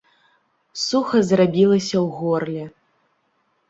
Суха зрабілася ў горле.